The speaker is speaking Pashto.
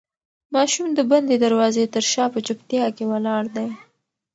ماشوم د بندې دروازې تر شا په چوپتیا کې ولاړ دی.